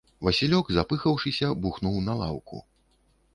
Васілёк, запыхаўшыся, бухнуў на лаўку.